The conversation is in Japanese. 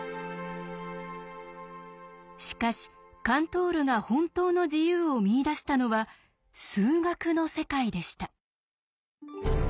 しかしカントールが本当の自由を見いだしたのは数学の世界でした。